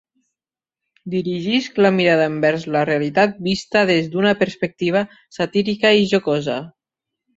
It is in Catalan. Dirigisc la mirada envers la realitat vista des d’una perspectiva satírica i jocosa.